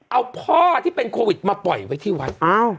เอาพ่อที่เป็นโควิดมาปล่อยไว้ที่วัด